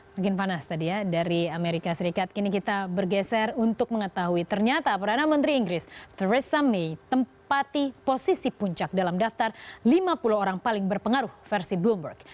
makin panas tadi ya dari amerika serikat kini kita bergeser untuk mengetahui ternyata perdana menteri inggris theresa may tempati posisi puncak dalam daftar lima puluh orang paling berpengaruh versi bloomberg